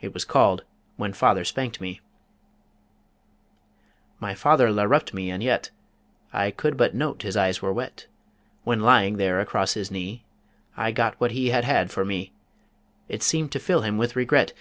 It was called WHEN FATHER SPANKED ME My Father larruped me, and yet I could but note his eyes were wet, When lying there across his knee I got what he had had for me It seemed to fill him with regret.